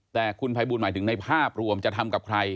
แต่คุณภัยบูลหมายถึงในภาพรวมจะทำกับใคร